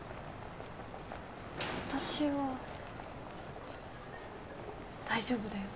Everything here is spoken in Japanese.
私は大丈夫だよ。